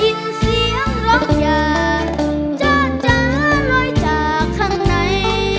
ยินเสียงร้องยาจ้าจ้าลอยจากข้างใน